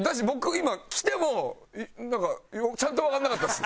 今来てもなんかちゃんとわかんなかったです。